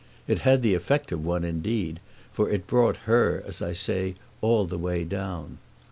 It had the effect of one indeed, for it brought her, as I say, all the way down.